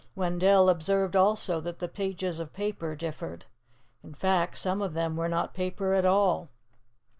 Wendell observed also that the pages of paper differed. In fact, some of them were not paper at all.